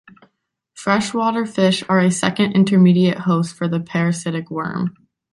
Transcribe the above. Freshwater fish are a second intermediate host for the parasitic worm.